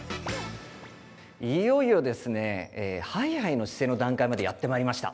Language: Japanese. ◆いよいよですね、ハイハイの姿勢の段階までやってまいりました。